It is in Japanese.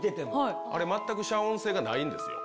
あれ全く遮音性がないんです